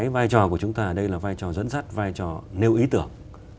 vai trò của chúng ta ở đây là vai trò dẫn dắt vai trò nêu ý tưởng